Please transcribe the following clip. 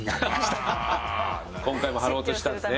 今回も貼ろうとしたんですね。